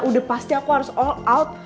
udah pasti aku harus all out